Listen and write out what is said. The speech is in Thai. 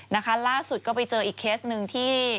นะคะล่าสุดก็ไปเจออีกเคสหนึ่งที่